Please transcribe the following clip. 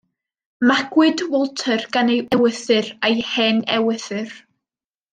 Magwyd Walter gan ei ewythr a'i hen ewythr.